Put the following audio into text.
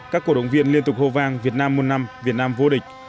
các cổ động viên liên tục hô vang việt nam một năm việt nam vô địch